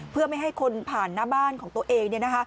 เพื่อไม่ให้คนผ่านหน้าบ้านของตัวเอง